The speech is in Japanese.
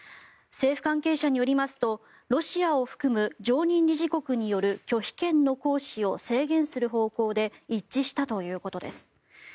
政府関係者によりますとロシアを含む常任理事国による拒否権の行使を制限する方向で一致したということです。